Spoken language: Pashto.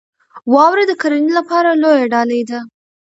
واوره د کرنې لپاره لویه ډالۍ ده.